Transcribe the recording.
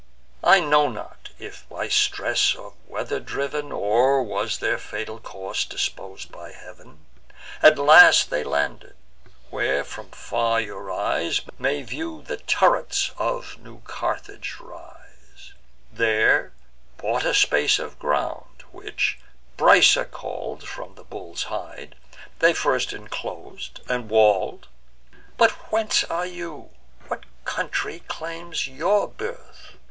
I know not, if by stress of weather driv'n, Or was their fatal course dispos'd by Heav'n; At last they landed, where from far your eyes May view the turrets of new Carthage rise; There bought a space of ground, which Byrsa call'd, From the bull's hide, they first inclos'd, and wall'd. But whence are you? what country claims your birth?